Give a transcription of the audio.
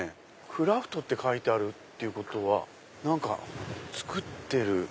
クラフトって書いてるってことは何か作ってる？